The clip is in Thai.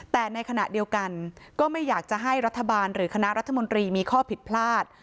แต่ในขณะเดียวกันก็ไม่อยากจะให้รัฐบาลหรือคณะรัฐมนตรีมีข้อผิดพลาด